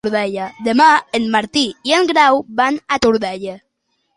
Demà en Martí i en Grau van a la Todolella.